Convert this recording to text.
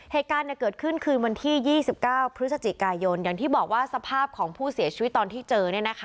เหตุการณ์เกิดขึ้นคืนวันที่๒๙พฤศจิกายนอย่างที่บอกว่าสภาพของผู้เสียชีวิตตอนที่เจอ